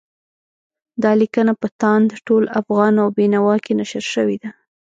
دا لیکنه په تاند، ټول افغان او بېنوا کې نشر شوې ده.